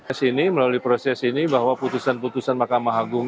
s ini melalui proses ini bahwa putusan putusan mahkamah agung